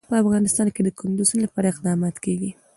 په افغانستان کې د کندز سیند لپاره اقدامات کېږي.